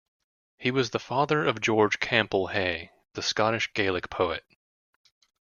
He was the father of George Campbell Hay, the Scottish Gaelic poet.